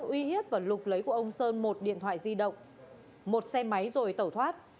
uy hiếp và lục lấy của ông sơn một điện thoại di động một xe máy rồi tẩu thoát